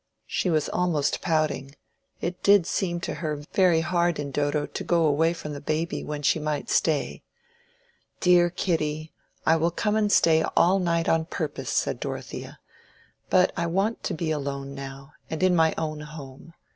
She was almost pouting: it did seem to her very hard in Dodo to go away from the baby when she might stay. "Dear Kitty, I will come and stay all night on purpose," said Dorothea; "but I want to be alone now, and in my own home.